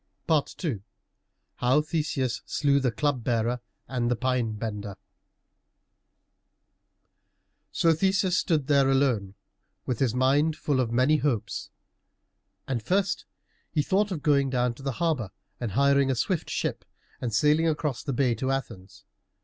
II HOW THESEUS SLEW THE CLUB BEARER AND THE PINE BENDER So Theseus stood there alone, with his mind full of many hopes. And first he thought of going down to the harbor and hiring a swift ship and sailing across the bay to Athens.